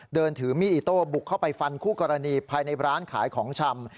เดินถือมีดอิโต้บุกเข้าไปฟันคู่กรณีภายในร้านขายของชำ